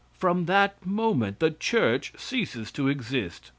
From that moment the church ceases to exist.